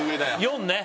４ね